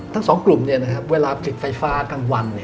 ทั้ง๒กลุ่มเวลาติดไฟฟ้าทั้งวัน